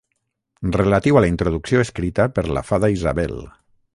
Relatiu a la introducció escrita per la fada Isabel.